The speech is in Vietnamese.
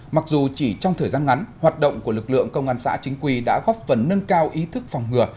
mặc dù chỉ trong thời gian ngắn hoạt động của lực lượng công an xã chính quy đã góp phần nâng cao ý thức phòng ngừa